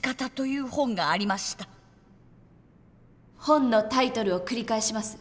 本のタイトルを繰り返します。